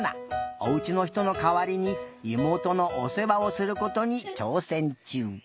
おうちのひとのかわりにいもうとのおせわをすることにちょうせんちゅう。